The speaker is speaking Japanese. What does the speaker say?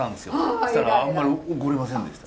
そしたらあんまり怒りませんでした。